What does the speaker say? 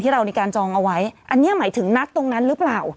เรามีการจองเอาไว้อันนี้หมายถึงนัดตรงนั้นหรือเปล่า